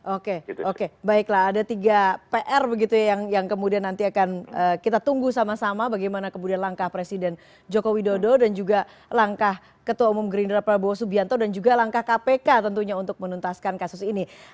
oke oke baiklah ada tiga pr begitu ya yang kemudian nanti akan kita tunggu sama sama bagaimana kemudian langkah presiden joko widodo dan juga langkah ketua umum gerindra prabowo subianto dan juga langkah kpk tentunya untuk menuntaskan kasus ini